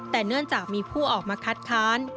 แต่เนื่องจากมีผู้ออกมาคัดค้าน